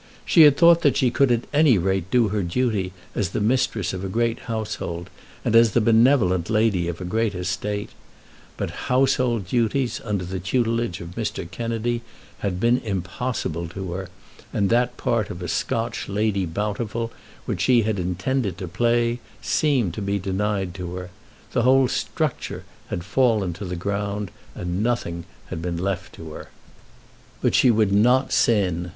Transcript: She had thought that she could at any rate do her duty as the mistress of a great household, and as the benevolent lady of a great estate; but household duties under the tutelage of Mr. Kennedy had been impossible to her, and that part of a Scotch Lady Bountiful which she had intended to play seemed to be denied to her. The whole structure had fallen to the ground, and nothing had been left to her. But she would not sin.